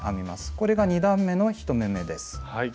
これが２段めの１目めです。